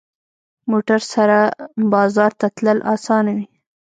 موټر سره بازار ته تلل اسانه وي.